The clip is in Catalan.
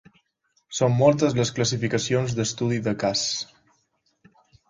Són moltes les classificacions d'estudi de cas.